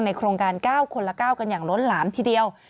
โครงการ๙คนละ๙กันอย่างล้นหลามทีเดียว